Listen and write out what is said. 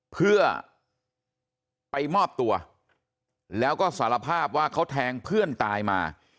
เพื่อไปมอบตัวแล้วก็สารภาพว่าเขาแทงเพื่อนตายมา